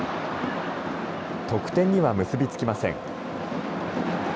得点には結びつきません。